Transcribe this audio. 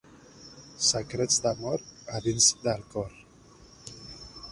Secrets d'amor, a dins del cor.